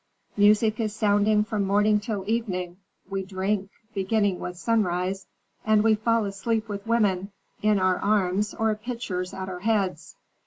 Music is sounding from morning till evening; we drink, beginning with sunrise, and we fall asleep with women in our arms or pitchers at our heads."